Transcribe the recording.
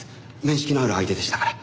面識のある相手でしたから。